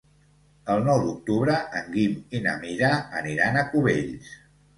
El nou d'octubre en Guim i na Mira aniran a Cubells.